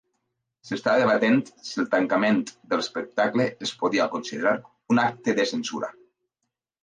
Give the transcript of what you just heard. S'estava debatent si el tancament de l'espectacle es podia considerar un acte de censura.